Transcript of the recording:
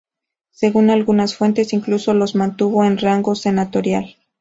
Según algunas fuentes, incluso les mantuvo el rango senatorial.